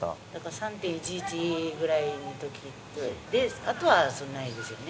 ３・１１くらいの時であとはないですよね。